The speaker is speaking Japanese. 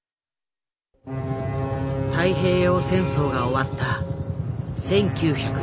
太平洋戦争が終わった１９４５年。